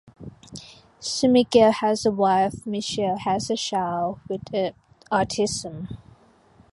Smigel has a wife, Michelle, and a child with autism.